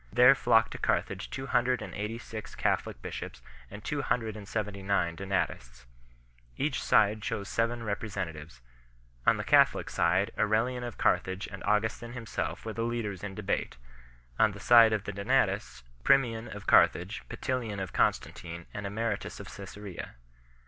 There flocked to Carthage two hundred and eighty six Catholic bishops and two hundred and seventy nine Donatists. Each side chose seven representatives. On the Catholic side Aure lian of Carthage arid Augustin himself were the leaders in debate ; on the side of the Donatists, Primian of Car thage, Petilian of Constantine and Emeritus of Caesarea.